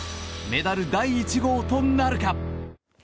メダル第１号となるか。